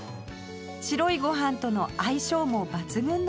白いご飯との相性も抜群のひと品です